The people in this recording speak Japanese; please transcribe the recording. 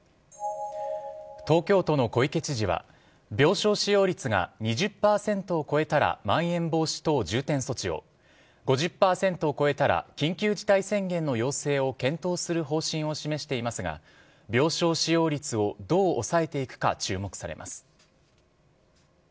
東京都の小池知事は病床使用率が２０％を超えたらまん延防止等重点措置を５０％を超えたら緊急事態宣言の要請を検討する方針を示していますが病床使用率をどう抑えていくか注目されます。